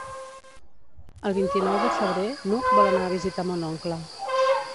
El vint-i-nou de febrer n'Hug vol anar a visitar mon oncle.